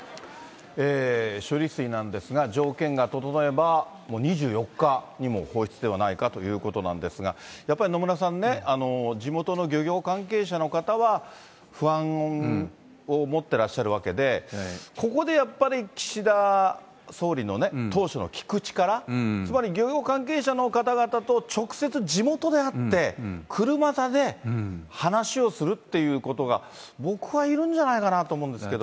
処理水なんですが、条件が整えば、もう２４日にも放出ではないかということなんですが、やっぱり野村さんね、地元の漁業関係者の方は、不安を持ってらっしゃるわけで、ここでやっぱり岸田総理の当初の聞く力、つまり漁業関係者の方々と、直接、地元で会って、車座で話をするっていうことが、僕はいるんじゃないかなと思うんですけど。